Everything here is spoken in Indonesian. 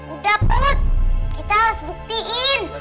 udah pelak kita harus buktiin